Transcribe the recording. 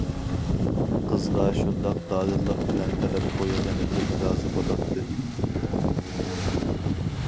قىزغا شۇنداق دادىللىق بىلەن تەلەپ قويغىنىدىن رازى بولاتتى.